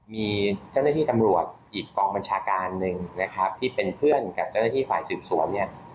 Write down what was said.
มีเจ้าหน้าที่ตำรวจอีกกองบัญชาการหนึ่งนะครับที่เป็นเพื่อนกับเจ้าหน้าที่ฝ่ายสืบสวนเนี่ย